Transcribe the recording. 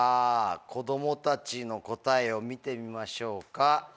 子供たちの答えを見てみましょうか。